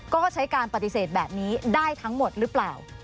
ก็ใช้การปฏิเสธแบบนี้ได้ทั้งหมดหรือเปล่า